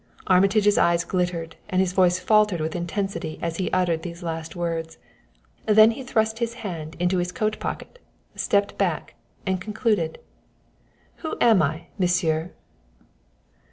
Armitage's eyes glittered and his voice faltered with intensity as he uttered these last words. Then he thrust his hand into his coat pocket, stepped back, and concluded: "Who am I, Monsieur?"